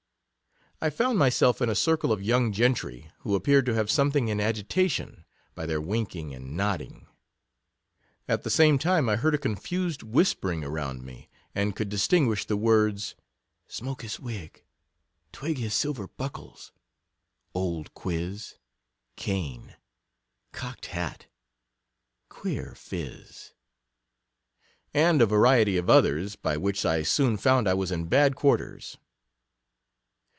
I found myself in a circle of young gentry, who appeared to have something in agita tion, by their winking and nodding; at the same time I heard a confused whispering around me, and could distinguish the words, smoke his wig — twig his silver buckles — old quiz — cane — cock'd hat — queer phiz — and a variety of others, by which [ soon found I was in bad quarters.